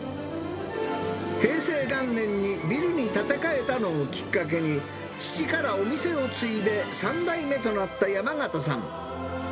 平成元年にビルに建て替えたのをきっかけに父からお店を継いで３代目となった山形さん。